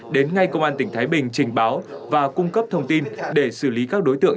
đến ngay công an tỉnh thái bình trình báo và cung cấp thông tin để xử lý các đối tượng